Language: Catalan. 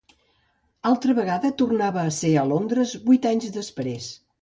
Altra vegada tornava a ser a Londres, vuit anys després.